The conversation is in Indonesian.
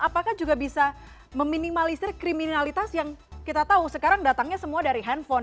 apakah juga bisa meminimalisir kriminalitas yang kita tahu sekarang datangnya semua dari handphone